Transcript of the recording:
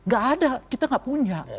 gak ada kita nggak punya